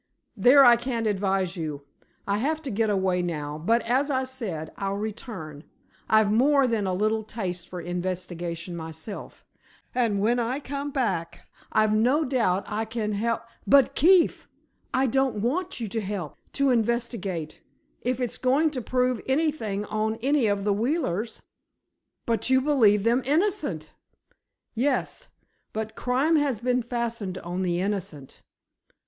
"There I can't advise you. I have to get away now, but, as I said, I'll return. I've more than a little taste for investigation myself, and when I come back, I've no doubt I can hel——" "But—Keefe—I don't want you to help—to investigate—if it's going to prove anything on any of the Wheelers." "But you believe them innocent!" "Yes; but crime has been fastened on the innocent."